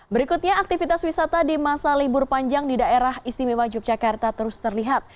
berikutnya aktivitas wisata di masa libur panjang di daerah istimewa yogyakarta terus terlihat